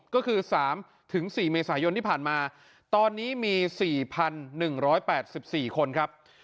ก็คือ๓๔เมษายนที่ผ่านมาตอนนี้มี๔๑๘๔คนครับ